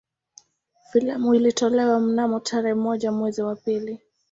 Filamu ilitolewa mnamo tarehe moja mwezi wa pili